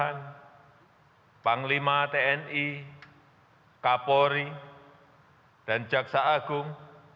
yang saya hormati bapak soekarno martiri presiden kelima tni kapolri dan jaksa agung